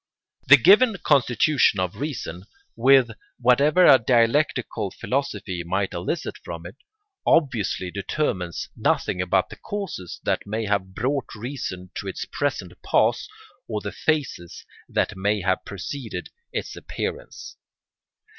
] The given constitution of reason, with whatever a dialectical philosophy might elicit from it, obviously determines nothing about the causes that may have brought reason to its present pass or the phases that may have preceded its appearance.